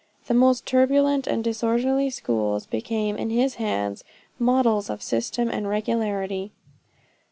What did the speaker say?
The most turbulent and disorderly schools, became, in his hands, models of system and regularity.